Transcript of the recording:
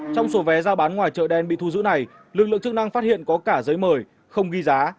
trong số vé giao bán ngoài chợ đen bị thu giữ này lực lượng chức năng phát hiện có cả giấy mời không ghi giá